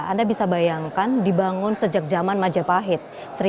anda bisa bayangkan dibangun sejak zaman majapahit